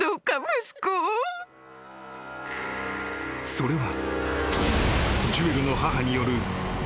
［それは］